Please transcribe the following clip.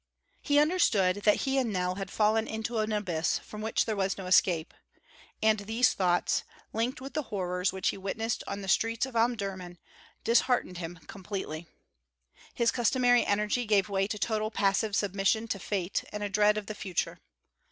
He understood that he and Nell had fallen into an abyss from which there was no escape, and these thoughts, linked with the horrors which he witnessed on the streets of Omdurmân, disheartened him completely. His customary energy gave way to total passive submission to fate and a dread of the future.